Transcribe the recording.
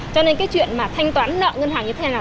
cho nên cái chuyện mà thanh toán nợ ngân hàng như thế nào